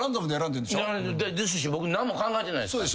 ですし僕何も考えてない。